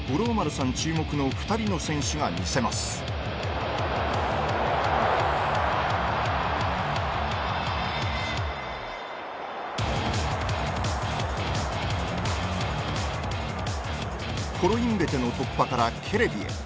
注目の２人の選手が見せますコロインベテの突破からケレビへ。